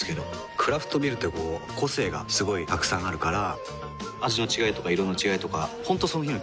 クラフトビールってこう個性がすごいたくさんあるから味の違いとか色の違いとか本当その日の気分。